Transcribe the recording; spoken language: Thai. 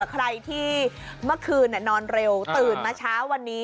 ใครที่เมื่อคืนนอนเร็วตื่นมาเช้าวันนี้